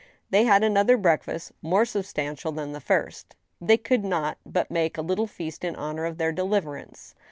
They had another breakfast, more substantial than the first. They could not but make a little feast in honor of their deliverance.